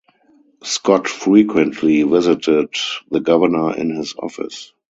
Scott frequently visited the governor in his office.